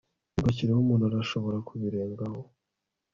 Ntugashyireyo Umuntu arashobora kubirengaho